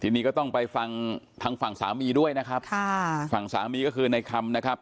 ทีนี้ก็ต้องไปฟังทางฝั่งสามีด้วยนะครับค่ะฝั่งสามีก็คือในคำนะครับ